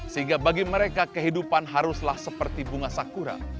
sehingga bagi mereka kehidupan haruslah seperti bunga sakura